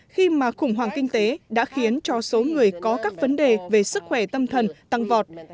khi mà khủng hoảng kinh tế đã khiến cho số người có các vấn đề về sức khỏe tâm thần tăng vọt